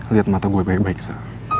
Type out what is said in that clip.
liat mata gue baik baik sa